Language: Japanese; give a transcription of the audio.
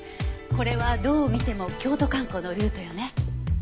これはどう見ても京都観光のルートよね。